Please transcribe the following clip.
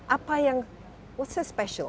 apa yang special